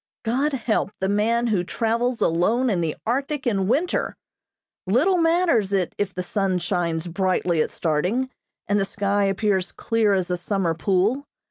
God help the man who travels alone in the Arctic in winter! Little matters it if the sun shines brightly at starting, and the sky appears clear as a summer pool.